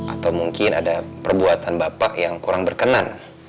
atau mungkin ada perbuatan bapak yang kurang berkenan